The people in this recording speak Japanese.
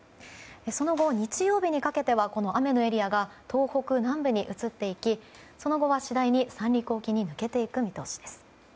その後、日曜日にかけては雨のエリアが東北南部に移っていきその後は次第に三陸沖に抜けていく見通しです。